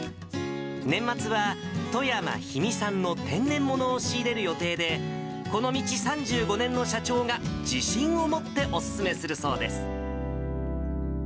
年末は富山・氷見産の天然物を仕入れる予定で、この道３５年の社長が自信を持ってお勧めするそうです。